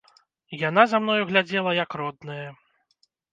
Яна за мною глядзела, як родная.